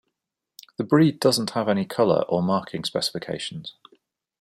The breed doesn't have any colour or marking specifications.